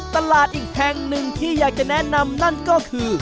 ตลาดอีกแห่งหนึ่งที่อยากจะแนะนำนั่นก็คือ